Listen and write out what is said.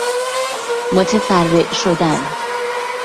متفرع شدن